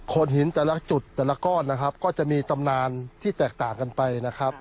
หินแต่ละจุดแต่ละก้อนนะครับก็จะมีตำนานที่แตกต่างกันไปนะครับ